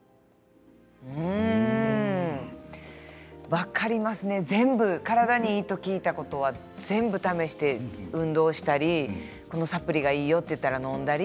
分かりますね全部、体にいいと聞いたことは全部試して、運動をしたりサプリがいいよと聞いたらのんだり。